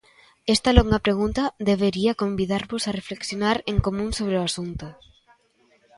Esta longa pregunta debería convidarnos a reflexionar en común sobre o asunto.